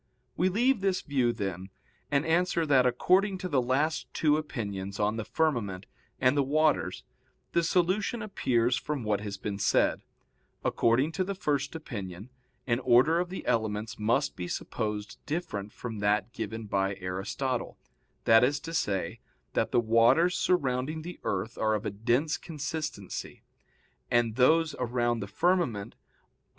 We leave this view, then, and answer that according to the last two opinions on the firmament and the waters the solution appears from what has been said. According to the first opinion, an order of the elements must be supposed different from that given by Aristotle, that is to say, that the waters surrounding the earth are of a dense consistency, and those around the firmament of a rarer consistency, in proportion to the respective density of the earth and of the heaven.